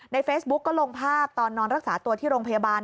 เฟซบุ๊กก็ลงภาพตอนนอนรักษาตัวที่โรงพยาบาล